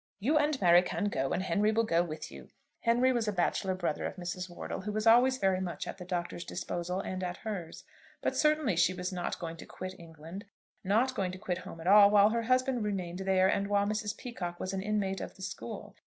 "You and Mary can go, and Henry will go with you." Henry was a bachelor brother of Mrs. Wortle, who was always very much at the Doctor's disposal, and at hers. But certainly she was not going to quit England, not going to quit home at all, while her husband remained there, and while Mrs. Peacocke was an inmate of the school.